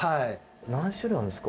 何種類あるんですか？